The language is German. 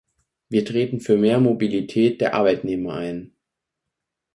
Wir treten für mehr Mobilität der Arbeitnehmer ein.